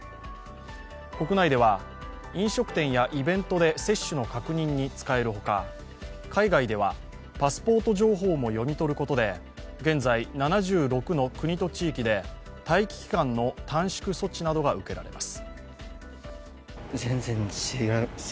国内では飲食店やイベントで接種の確認に使える他、海外ではパスポート情報も読み取ることで現在７６の国と地域で待機期間の短縮措置などが受けられます。